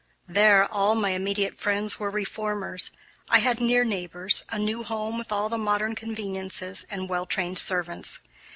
There, all my immediate friends were reformers, I had near neighbors, a new home with all the modern conveniences, and well trained servants.